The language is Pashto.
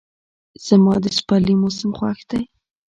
زما د سپرلي موسم خوښ دی.